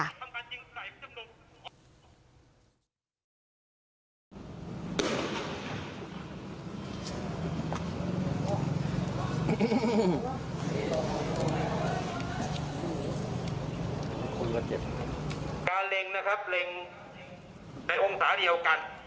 การเล็งนะครับเล็งในองศาเดียวกัน